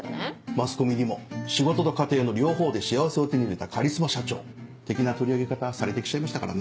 マスコミにも仕事と家庭の両方で幸せを手に入れたカリスマ社長的な取り上げ方されてきちゃいましたからね。